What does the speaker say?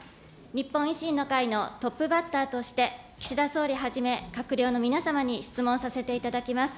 日本維新の会のトップバッターとして、岸田総理はじめ、閣僚の皆様に質問させていただきます。